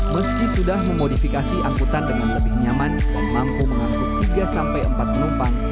meski sudah memodifikasi angkutan dengan lebih nyaman dan mampu mengangkut tiga empat penumpang